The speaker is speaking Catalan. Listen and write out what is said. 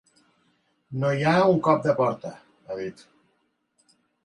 No hi ha un cop de porta, ha dit.